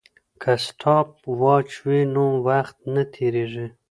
که سټاپ واچ وي نو وخت نه تېریږي.